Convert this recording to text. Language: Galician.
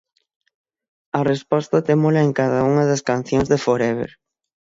A resposta témolas en cada unha das cancións de Forever.